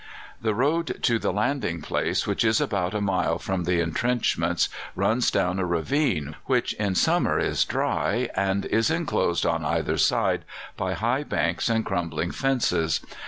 "The road to the landing place, which is about a mile from the entrenchments, runs down a ravine, which in summer is dry, and is enclosed on either side by high banks and crumbling fences.